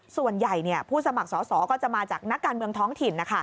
ส่วนใหญ่ผู้สมัครสอสอก็จะมาจากนักการเมืองท้องถิ่น